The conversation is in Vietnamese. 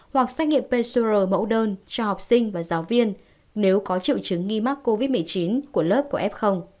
hoặc xét nghiệm pcuro mẫu đơn cho học sinh và giáo viên nếu có triệu chứng nghi mắc covid một mươi chín của lớp của f